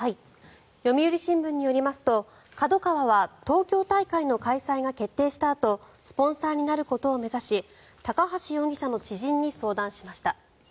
読売新聞によりますとＫＡＤＯＫＡＷＡは東京大会の開催が決定したあとスポンサーになることを目指し高橋容疑者の知人に相談しました。